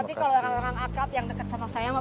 tapi kalau orang orang akab yang deket sama saya mah